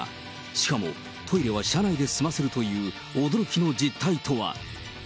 しかもトイレは車内で済ませるという驚きの実態とは。